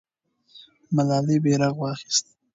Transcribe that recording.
ملالۍ بیرغ واخیست.